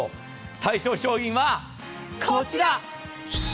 対象商品はこちら。